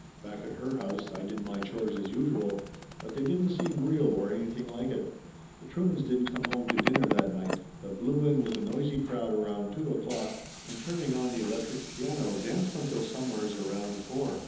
Back at her house I did my chores as usual, but they didn't seem real or anything like it. The Truemans didn't come home to dinner that night, but blew in with a noisy crowd around two o'clock and turning on the electric piano, danced until somewheres around four.